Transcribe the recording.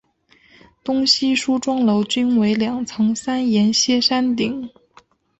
东西梳妆楼均为两层三檐歇山顶。